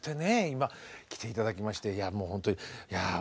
今来て頂きましていやもうほんとにいやあ